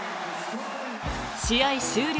試合終了